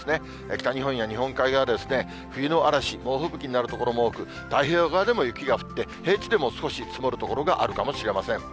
北日本や日本海側は冬の嵐、猛吹雪になる所も多く、太平洋側でも雪が降って、平地でも少し積もる所があるかもしれません。